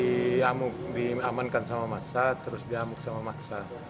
diamuk diamankan sama massa terus diamuk sama massa